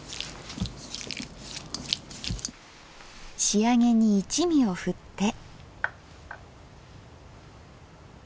仕上げに一味をふって。